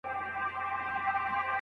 آیا په طلاق کې ټوکې اعتبار لري؟